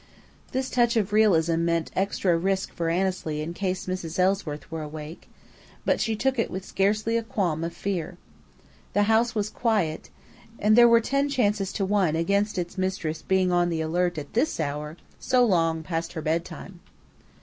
This touch of realism meant extra risk for Annesley in case Mrs. Ellsworth were awake; but she took it with scarcely a qualm of fear. The house was quiet, and there were ten chances to one against its mistress being on the alert at this hour, so long past her bedtime.